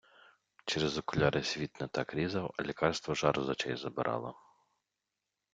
Через окуляри світ не так різав, а лікарство жар з очей забирало.